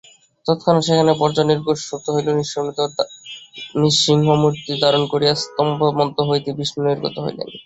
তৎক্ষণাৎ সেখানে বজ্রনির্ঘোষ শ্রুত হইল, নৃসিংহমূর্তি ধারণ করিয়া স্তম্ভমধ্য হইতে বিষ্ণু নির্গত হইলেন।